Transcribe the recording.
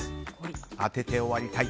当てて終わりたい。